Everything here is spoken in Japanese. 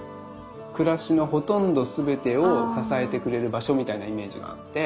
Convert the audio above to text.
暮らしのほとんどすべてを支えてくれる場所みたいなイメージがあって。